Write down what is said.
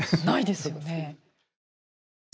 ないですよね。